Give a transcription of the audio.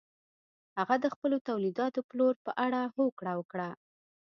هغه د خپلو تولیداتو پلور په اړه هوکړه وکړه.